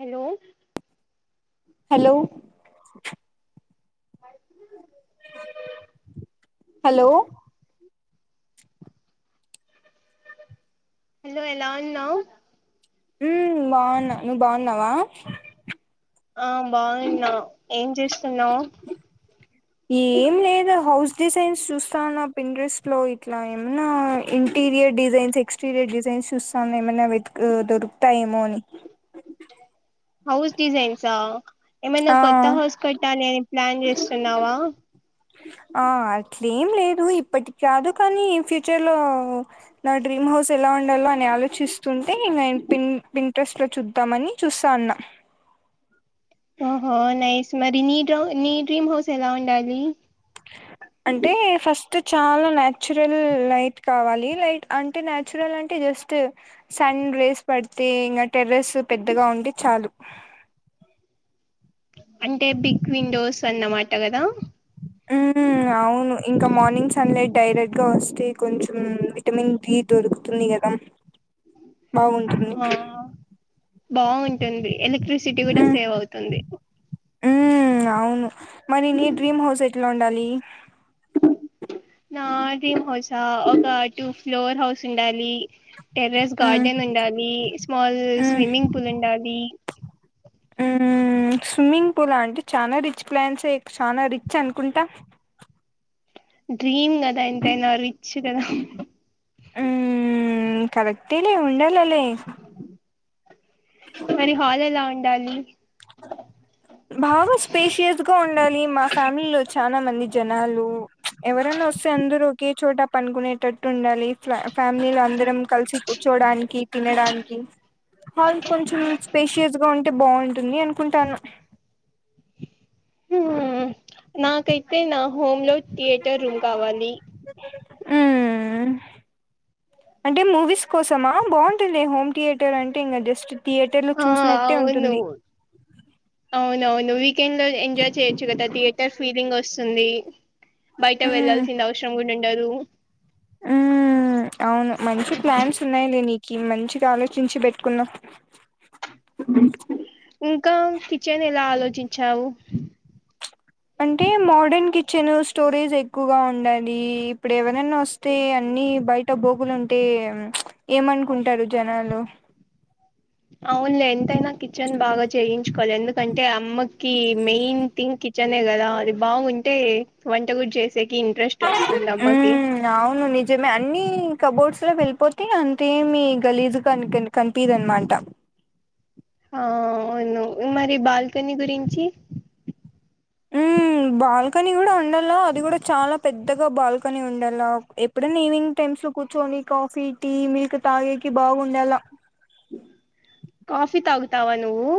Hello hello అ hello hello ఎలా ఉన్నావు? మ్ బాగున్నా. నువ్వు బాగున్నావా? ఆ బాగున్నా. ఏం చేస్తున్నావ్? ఏం లేదు. హౌస్ డిజైన్స్ చూస్తానా. పిన్ ట్రస్ లో ఇట్లా ఏమన్నా ఇంటి, ఇంటీరియర్ డిజైన్స్, ఎక్స్టీరియర్ డిజైన్స్ చూస్తా ఉన్నా ఏమైనా వెతుకు దొరుకుతాయేమో అని. హౌస్ డిజైన్సా ఏమైనా ఆ కొత్త హౌస్ కట్టాలి అని ప్లాన్ చేస్తున్నావా? ఏం లేదు ఇప్పటికి కాదు. కానీ, ఫ్యూచర్ లో నా డ్రీమ్ హౌస్ ఎలా ఉండాలో అని ఆలోచిస్తుంటే, ఇంగ పిన్, పిన్ ట్రెస్ట్ లో చూద్దామని చూస్తా ఉన్న. ఓహో నైస్. మరి నీ డో నీ డ్రీమ్ హౌస్ ఎలా ఉండాలి? అంటే ఫస్ట్ చాలా నాచురల్ లైట్ కావాలి లైట్ అంటే నాచురల్ అంటే ఇగ జస్ట్ సన్ రేస్ పడితే ఇంకా టెర్రెస్ పెద్దగా ఉంటే చాలు అంటే బిగ్ విండోస్ అన్నమాట కదా! మ్ అవును. ఇంకా మార్నింగ్ సన్ లైట్ డైరెక్ట్ గా వస్తే, కొంచెం విటమిన్ డి దొరుకుతుంది కదా! బాగుంటుంది. ఆ బాగుంటుంది. ఎలక్ట్రిసిటీ కూడా సేవ్ అవుతుంది. మ్ అవును మరి నీ డ్రీమ్ హౌస్ ఎట్ల ఉండాలి? నా డ్రీమ్ హౌసా! ఒక టూ ఫ్లోర్ హౌస్ ఉండాలి. టెర్రెస్ ఉమ్ గార్డెన్ ఉండాలి. స్మాల్ ఉమ్ స్విమ్మింగ్ పూల్ ఉండాలి. మ్ స్విమ్మింగ్ పూల్ అంటే, చాలా రిచ్ ప్లాన్స్ ఎ. చాలా రిచ్ అనుకుంటా. డ్రీమ్ గదా ఎంతైనా రిచ్ గదా మ్మ్ కదక్టే లే ఉండాలో మరి హాల్ ఎలా ఉండాలి అ బాగా స్పేషియస్ గా ఉండాలి మా ఫ్యామిలీ లో చాలా మంది జనాలు ఎవరనా వస్తే అందరు ఒకే చోట పనుకునేటట్టు ఉండాలి ఫ ఫ్యామిలీలో అందరం కలిసి కూర్చోడానికి తినడానికి హాల్ కొంచెం స్పేషియస్ గా ఉంటే బాగుంటుంది అనుకుంటాను ఉ నాకైతే నా హోమ్ లో థియేటర్ రూమ్ కావాలి మ్మ్ అంటే మూవీస్ కోసమా బాగుంటుంది హోమ్ థియేటర్ అంటే ఇంక జస్ట్ థియేటర్ లో ఆ చూసినట్టే అవును ఉంటుంది అవునవును వీకెండ్ లో ఎంజాయ్ చేయొచ్చు కదా థియేటర్ ఫీలింగ్ వస్తుంది బయట మ్మ్ వెళ్లాల్సిన అవసరం గుడుండదు మ్మ్ అవును మంచి ప్లాన్స్ ఉన్నాయిలే నీ కి మంచిగా ఆలోచించి పెట్టుకున్నా ఇంకా కిచెన్ ఎలా ఆలోచించావు అంటే మోడర్న్ కిచెన్ స్టోరేజ్ ఎక్కువగా ఉం ఉండాలి ఇప్పుడెవరనా వస్తే అన్నీ బయట బోగులుంటే ఏమనుకుంటారు జనాలు అవున్లే ఎంతైనా కిచెన్ బాగా చేయించుకోవాలి ఎందుకంటే అమ్మకి మెయిన్ థింగ్ కిచ్ నే గదా అది బాగుంటే వంట గుడ సేకి ఇంట్రెస్ట్ వస్తుంది అమ్మకి ఉమ్ అవును నిజమే అన్ని కబోర్డ్స్ లో వెళ్ళిపోతే అంతేమీ గలీజ్ కని కంపీదనమాట ఆ అవును మరి బాల్కనీ గురించి మ్మ్ బాల్కనీ గుడ ఉండల అది గుడ చాలా పెద్దగా బాల్కనీ ఉండల ఎప్పుడైనా ఈవినింగ్ టైమ్ సు కుర్చోని కాఫీ టీ మిల్క్ తాగేకి బాగుండాల కాఫి తాగుతావా నువ్వు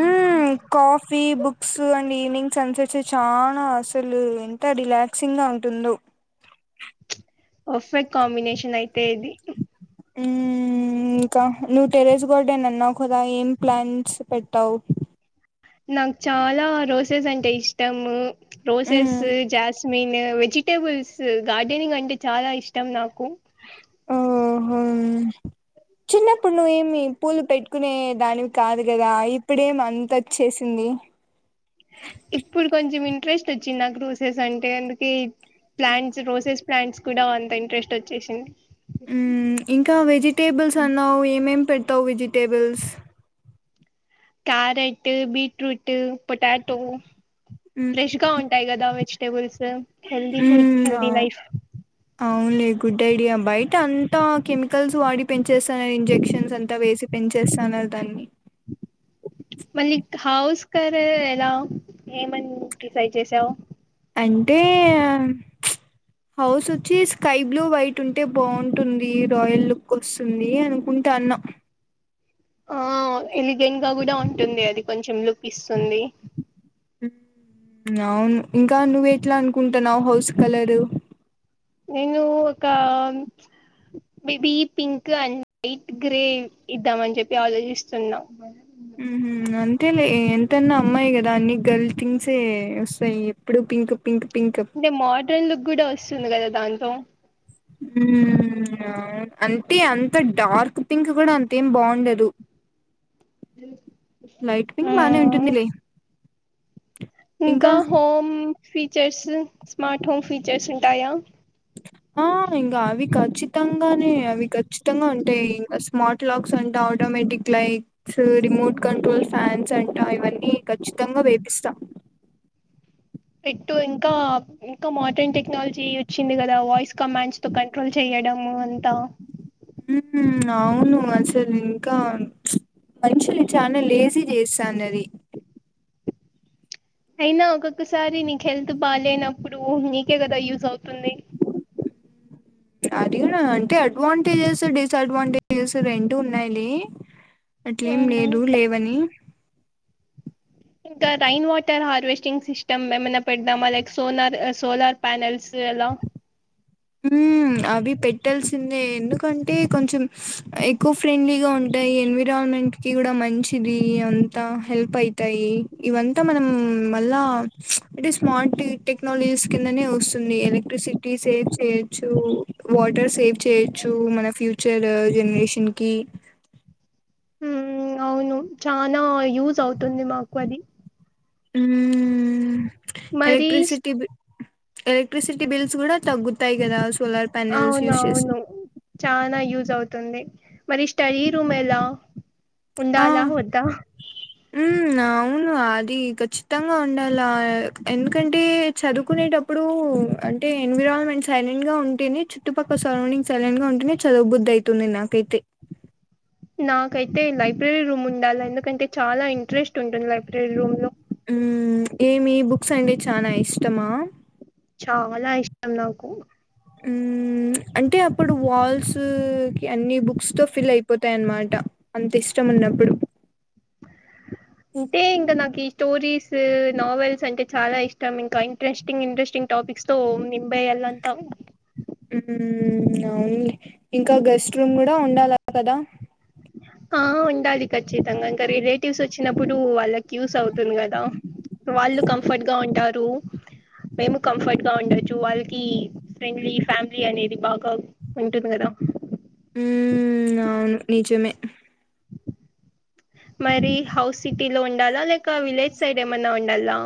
ఉమ్ coffee books and evening sunsets చాలా అసలు ఎంత రిలాక్సింగ్ గా ఉంటుందో పర్ఫెక్ట్ కాంబినేషన్ అయితే ఇది మ్మ్ నువ్వు టెరేస్ గార్డెన్ అన్నావ్ కదా ఏం ప్లాన్స్ పెట్టావు నాకు చాలా రోసెస్ అంటే ఇష్టము రోసెస్ మ్మ్ జాస్ మీన్ వెజిటబుల్స్ గార్డెనింగ్ అంటే చాలా ఇష్టం నాకు ఓహో చిన్నప్పుడు నువ్వేమి పూలు పెట్ కునే దానివి కాదు గదా ఇప్పుడేం అంతొచ్చేసింది ఇప్పుడు కొంచెం ఇంట్రెస్ట్ వచ్చింది నాకు రోసెస్ అంటే అందుకే ప్లాంట్స్ రోసెస్ ప్లాంట్స్ కూడా అంత ఇంట్రెస్ట్ వచ్చేసింది మ్మ్ ఇంకా త్తౌ vegetables carrot beetroot potato fresh గా ఉంటాయి గదా vegetables healthy food healthy life అవున్లే గుడ్ ఐడియా బయట అంతా కెమికల్స్ వాడి పెంచేస్తాన ఇంజెక్షన్స్ అంతా వేసి పెన్ చేసాన దన్ని మళ్ళీ హౌస్ కరే ఎలా ఏమని డిసైడ్ చేసావు అంటే హౌస్ వచ్చి స్కై బ్లూ వైట్ ఉంటే బావుంటుంది రాయల్ లుక్ వస్తుంది అనుకు టాన్న ఆ ఎలిగెంట్గా కూడా ఉంటుంది అది కొంచెం లుక్ ఇస్తుంది అవును ఇంకా నువ్వు ఎట్లా అనుకుంటున్నావ్ హౌస్ కలరు నేను ఒక baby pink and white grey ఇద్దామని చెప్పి ఆలోచిస్తున్నాం మ్ హు అంతేలే ఎంతన్నా అమ్మాయి కదా అన్ని గర్ల్ థింగ్సే వస్తాయి ఎప్పుడు పింక్ పింక్ పింక్ అంటే మోడ్రన్ లుక్ గూడా వస్తుంది కదా దాంతో మ్మ్ అంతే అంత డార్క్ పింక్ కూడా అంతేం బావుండదు లైట్ పింగ్ బానే ఉంటుందిలే ఇంకా home features smart home features ఉంటాయా ఆ ఇంకా అవి ఖచ్చితంగానే అవి కఖచ్చితంగా అంటే ఇంకా స్మార్ట్ లాక్స్ అ automatic lights remote control fans అంటా ఇవన్నీ ఖచ్చితంగా వేపిస్తా ఎట్టు ఇంకా ఇంక మోడర్న్ టెక్నాలజీ వచ్చింది కదా వాయిస్ కమాండ్స్తో కంట్రోల్ చెయడము అంతా మ్మ్ అవును అస్సలు ఇంకా మనుషులు చాలా లేజీ చేసా అన్నది అయినా ఒక్కొక్కసారి నీకు హెల్త్ బాలేనప్పుడు నీకే కదా యూజ్ అవుతుంది అది కూడ అంటే అడ్వాంటేజెస్ డిసడ్వాంటేజెస్ రెండు ఉన్నాయ్లే అట్లేం ఉమ్ లేదు లేవని ఇంకా రైన్ వాటర్ హార్వెస్టింగ్ సిస్టమ్ ఏమైనా పెడదమా లైక్ సోనర్ సోలార్ ప్యానెల్స్ అల అ ఉమ్ అవి పెట్టాల్సిందే ఎందుకంటే కొంచెం ఎకో ఫ్రెండ్లీగా ఉంటే ఈ ఎన్విరాన్మెంట్కి కూడా మంచిది అంతా హెల్ప్ అయితయి ఇవంతా మనం మళ్ళా ఇది స్మార్ట్ టెక్నాలజీస్ కిందనే వస్తుంది ఎలక్ట్రిసిటీ సే చేయొచ్చు వాటర్ సేవ్ చేయొచ్చు మన ఫ్యూచర్ జనరేషన్ కి మ్మ్ అవును చానా యూజ్ అవుతుంది మాకు అది మ్మ్ మరి ఎలక్ట్రసిటీి బి ఎలక్ట్రిసిటీ బిల్స్ కూడా తగ్గుతాయి కదా అవునవును చనా యూస్ అవు తుంది మరి స్టడీ రూమ్ ఎలా ఉండాలా ఆ! వద్ద ఉమ్ అవును అది ఖచ్చితంగా ఉండాల ఎందుకంటే చదువుకునేటప్పుడు అంటే ఎన్విరాన్మెంట్ సైలెంట్ గా ఉంటేనే చుట్టుపక్కల సరౌండింగ్ సైలెంట్గా ఉంటేనే చదువుబుద్ది అయితుంది నాకు పెతి నాకైతే లైబ్రరీ రూమ్ ఉండాలి ఎందుకంటే చాలా ఇంట్రెస్ట్ ఉంటుంది లైబ్రరీ రూమ్లో మ్ ఏమి బుక్స్ అంటే చాలా ఇష్టమా చాలా ఇష్టం నాకు మ్మ్ అంటే అప్పుడు వాల్సు కి అన్ని బుక్స్తో ఫిల్ అయిపో తయ్ అన్మాట అంత ఇష్టం ఉన్నప్పుడు అంటే ఇంకా నాకి స్టోరీస్ నావెల్స్ అంటే చాలా ఇష్టం ఇంకా ఇంట్రెస్టింగ్ ఇంట్రెస్టింగ్ టాపిక్స్ తో నింబయ లంతా అవును ఇంకా గెస్ట్ రూమ్ కూడ ఉండాల కదా ఆ ఉండాలి ఖచ్చితంగా ఇంకా రిలేటివ్స్ వచ్చినప్పుడు వాళ్ళకి యూస్ అవుతుంది కదా వాళ్ళు కంఫర్ట్ గా ఉంటారు మేము కంఫర్ట్ గా ఉండొచ్చు వాళ్ళకి ఫ్రెండ్లీ ఫ్యామిలీ అనేది బాగ ఉంటుంది కదా ఉమ్ అవును నిజమే మరి హౌస్ సిటీలో ఉండాల లేక విలేజ్ సైడ్ ఏమన్న ఉండాల్లా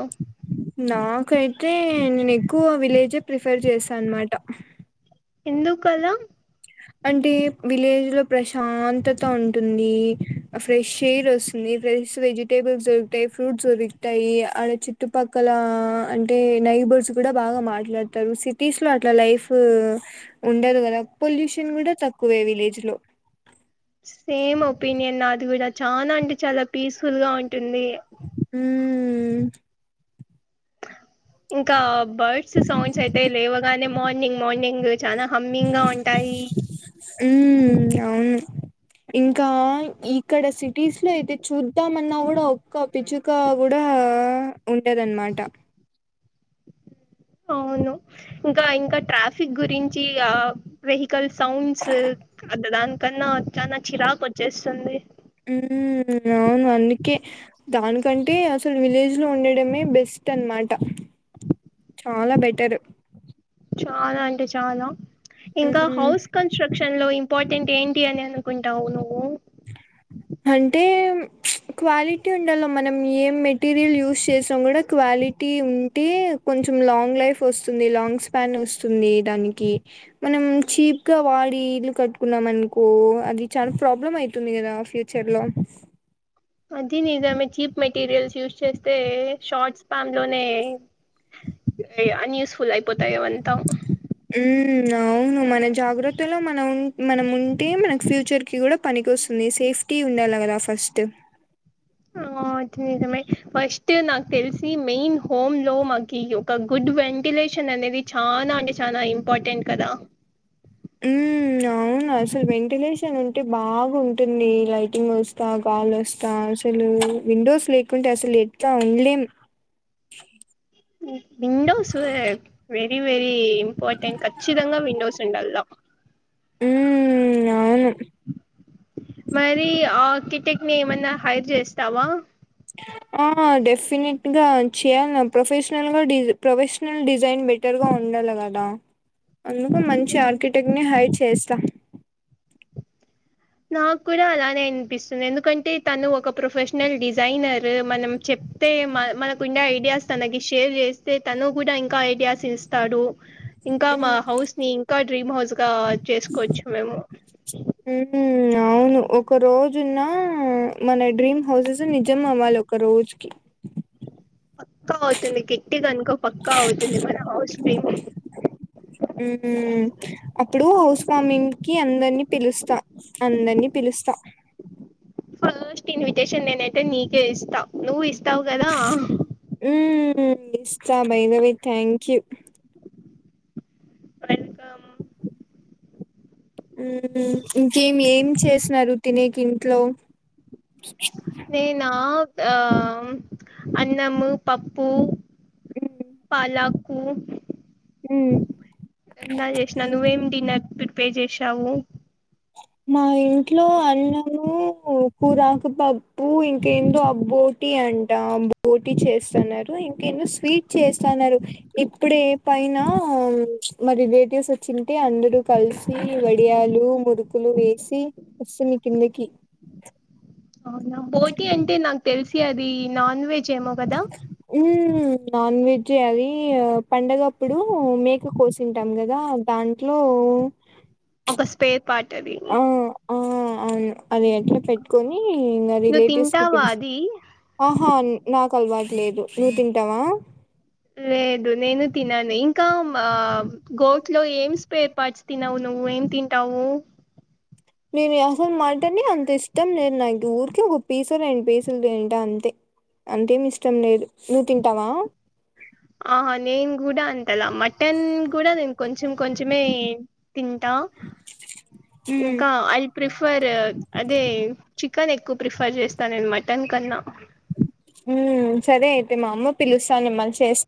నాకైతే నేను ఎక్కువ విలేజే ప్రిఫర్ చేస్తాన్ అనమాట ఎందుకలా అంటే విలేజ్ లో ప్రశాంతతా ఉంటుంది ఫ్రెష్ ఎయిర్ వస్తుంది ఫ్రెష్ వెజిటేబుల్స్ దొరుకుతాయి ఫ్రూట్స్ దొరుకుతాయి ఆడ చుట్టుపక్కల అంటే నై నైబర్స్ కూడ బాగా మాట్లాడతారు సిటీస్ లో అట్లా లైఫ్ ఉండదు కదా పొల్యూషన్ కూడ తక్కువే విలేజ్ లో సేమ్ ఒపీనియన్ నాది కూడ చాల అంటే చాలా పీస్ఫుల్ గా ఉంటుంది ఉ ఇంకా బర్డ్స్ సాౌండ్స్ అయితే లేవగానే మార్నింగ్ మార్నింగ్ చాలా హమ్మింగ్ గా ఉంటాయి మ్మ్ అవును ఇంకా ఇక్కడ సిటీస్ లో అయితే చూద్దామన్న కూడ ఒక్క పిచుక కూడా ఆ ఉంటదన్నమాట అవును ఇంక ఇంక ట్రాఫిక్ గురించి వెహికల్ సౌండ్స్ అ దానికన్నా చాన చిరాకు వచ్చేస్తుంది ఉమ్ అ అందుకే దానికంటే అసలు విలేజ్ లో ఉండడమే బెస్ట్ అనమాట ఆల బెటరు చాలా అంటే చాలా ఇంకా హౌస్ కన్స్ట్రక్షన్ లో ఇంపార్టెంట్ ఏంటి అని అనుకుంటావు నువ్వు అంటే క్వాలిటీ ఉండలో మనం ఏం మెటీరియల్ యూస్్ చేసాం కూడా క్వాలి లిటి ఉంటే కొంచెం లాంగ్ లైఫ్ వస్తుంది లాంగ్ స్పాన్ వస్తుంది దానికి మనం చీప్గ వాడి ఇల్లు కట్టుకున్నాం అనుకో అది చాలా ప్రాబ్లం అయింది తుంది కదా ఫ్యూచర్ లో అది నిజమే చీప్ మెటీరియల్స్ యూస్ చేస్తే షార్ట్స్ పామ్ లోనే అన్యూస్ఫుల్ అయిపోతాయి అ మొత్తం ఉమ్ అవును మన జాగ్రత్తలో మన మనం ఉంటే మనకి ఫ్యూచర్ కి కూడ పనికి వస్తుంది సేఫ్ టీ ఉండాల కదా ఫస్ట్ ఆ అది నిజమె ఫస్ట్ నాకు తెలిసి మెయిన్ హోమ్ లో మాకి ఒక గుడ్ వెల్ వెంటిలేషన్ అనేది చాల అంటే చాలా ఇంపార్టెంట్ కదా అ ఉ అవును అసలు వెంటిలేషన్ ఉంటే బాగ ఉంటుంది లైటింగ్ వస్తాగా గాల్ వస్తా అసలు విండోస్ లేకుంటే అసలు ఎట్ల ఉండలేం విండోస్ వే వెర వెరీ ఇంపార్టెంట్ ఖచ్చితంగా విండోస్ ఉండలా ఉం అవును మరి ఆర్కిటెక్ట్ ని ఏమన్నా హైర్ చేస్తావా ఆ డెఫినెట్ గా చేయాల ప్రొఫెషనల్ గా ప్రొఫెషనల్ డిజైన్ బెటర్ గా ఉండాలి కదా అందుక మంచి ఆర్కిటెక్ట్ ని హైర్ చేస్తా నాకు కూడా అలానే అనిపిస్తుంది ఎందుకంటే తను ఒక ప్రొఫెషనల్ డిజైనర్ మనం చె అే మ మనకుండే ఐడియాస్ తనకి షేర్ చేస్తే తను కూడా ఇంకా ఐడియాస్ ఇస్తాడు ఇంకా మా హౌస్ని ఇంకా డ్రీమ్ హౌస్ గా చేసుకోవచ్చు మేము ఉ అవును ఒక రోజున్న మన డ్రీమ్ హౌసెస్ నిజం అవ్వాలి ఒక్కరోజుక్కీ పక్కా అవుతుంది గట్టిగనుకో పక్కా అవుతుంది మన హౌస్ ఉ అప్పుడు హౌస్ వామింగ్కి అందరినీ పిలుస్తా అందర్నీ పిలుస్తా ఫస్ట్ ఇన్విటేషన్ నేనైతే నీకే ఇస్తా నువ్వు ఇస్తావ్ కదా హ్మ్ ఇస్తా బైతెవే థ్యాంక్ యూ మరే ఇంకా ఇంకేమి ఏం చేసినారు తినేకి ఇంట్లో నేనా ఆ అన్నము పప్పు పాలకు హ్మ్ ఎన్నా చేసినా నువ్వేం డిన్నర్ ప్రిపేర్ చేసావు మా ఇంట్లో అన్నము కూరాకు పప్పు ఇంకేందో అబోటి అ అంట బోటీ చేస్తన్నారు ఇంకేన్నో స్వీట్ చేస్తన్నారు ఇప్పుడ ఏ పైన ఆ మ రెలెటివ్స్ వచ్చి ఉంటే అందరు కలిసి వడియాలు మురు ప్పులు వేసి వస్తేది కిందకి అవునా బోటి అంటే నాకు తెలిసి అది నాన్ వెజ్ ఏమో కదా నాన్వెజే అది పండగప్పుడు మేక కోసింటాం కదా దాంట్లో ఓ స్పేర్ పార్ట్ అది ఆవును అది అట్లా పెట్టుకొని నా నువ్వు రిలేటివ్స్ కి తింటావా పిలిచి అది ఆహా నాకు అలవాటు లేదు నువ్ తింటావా లేదు నేను తినను ఇంకా ఆ గోట్లో ఏంస్ పేర్పటుచు తినవు నువ్వు ఏం తింటావు నేను అసలు మాటనే అంత ఇష్టం లేదు నాకు ఊరిక ఒక పీస రండ్ పీసులు తింటా అంతే అంతేమి ఇష్టం లేదు నువ్వు తింటావా అలా మటన్ కూడా నేను కొంచం కొంచమే తింటా హ్మ్ ఇంకా ఐ ప్రిఫర్ అదే చికెన్ ఎక్కువ ప్రిఫర్ చేస్తాను నేను మటన్ కన్నా ఉ సరే అయితే మా అమ్మ పిలుస్తాది మల్లి చేస్